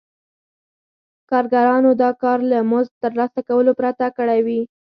کارګرانو دا کار له مزد ترلاسه کولو پرته کړی وي